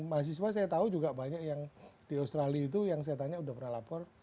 mahasiswa saya tahu juga banyak yang di australia itu yang saya tanya sudah pernah lapor